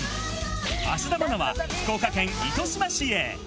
芦田愛菜が福岡県糸島市へ。